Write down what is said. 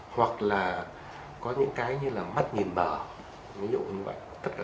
hoặc là có những cái như là mắt nhìn mở ví dụ như vậy